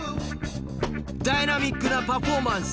ダイナミックなパフォーマンス。